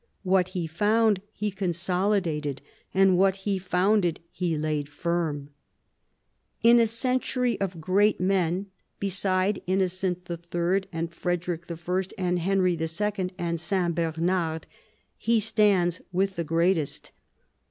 What he found he consolidated, and what he founded he laid firm. In a century of great men, beside Innocent III. and Frederic I. and Henry II. and S. Bernard, he stands with the greatest.